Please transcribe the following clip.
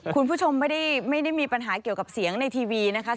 คุณผู้ชมไม่ได้มีปัญหาเกี่ยวกับเสียงในทีวีนะคะ